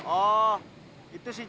oh itu si caing